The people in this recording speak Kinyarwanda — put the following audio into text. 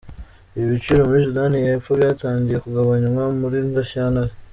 Ibi biciro muri Sudani y’Epfo byatangiye kugabanywa muri Gashyantare.